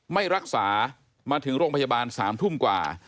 ไม่รักษามาถึงโรงพยาบาล๓ทุ่มกว่า